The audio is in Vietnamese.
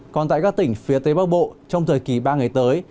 còn tại các tỉnh phía tây bắc bộ trong thời kỳ ba ngày tới